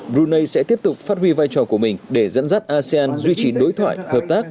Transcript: brunei sẽ tiếp tục phát huy vai trò của mình để dẫn dắt asean duy trì đối thoại hợp tác